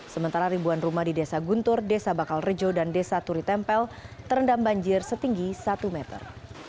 sementara ribuan rumah di desa guntur desa bakal rejo dan desa turi tempel terendam banjir setinggi satu meter